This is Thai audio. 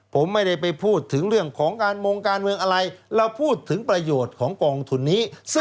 ผมไม่ได้ไปพูดถึงเรื่องของการโมงการเมืองอะไร